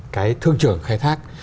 cái thương trưởng khai thác